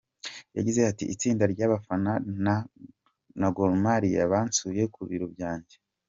Yagize ati “Itsinda ry’abafana na Gor Mahia bansuye ku biro byanjye.